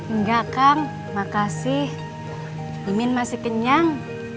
enggak kang makasih imin masih kenyang